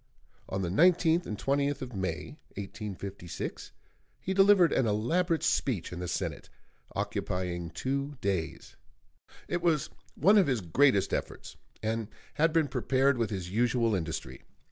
On the 19th and 20th of May, 1856, he delivered an elaborate speech in the Senate, occupying two days. It was one of his greatest efforts, and had been prepared with his usual industry.